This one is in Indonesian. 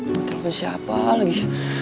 mau telepon siapa lagi